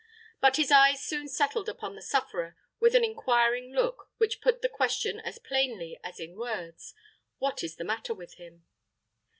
But his eyes soon settled upon the sufferer with an inquiring look, which put the question as plainly as in words, "What is the matter with him?"